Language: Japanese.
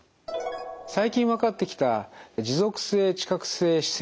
最近分かってきた持続性知覚性姿勢